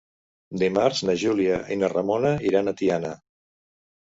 Dimarts na Júlia i na Ramona iran a Tiana.